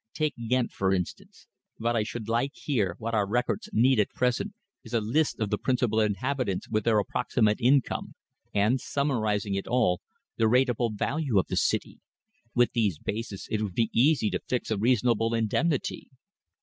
Take Ghent, for instance. What I should like here, what our records need at present, is a list of the principal inhabitants with their approximate income, and, summarising it all, the rateable value of the city. With these bases it would be easy to fix a reasonable indemnity."